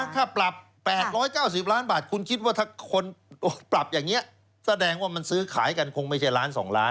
ถ้าปรับ๘๙๐ล้านบาทคุณคิดว่าถ้าคนปรับอย่างนี้แสดงว่ามันซื้อขายกันคงไม่ใช่ล้าน๒ล้าน